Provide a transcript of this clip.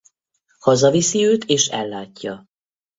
Hazaviszi őt és ellátja.